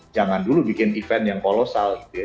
jangan dulu bikin event yang kolosal gitu ya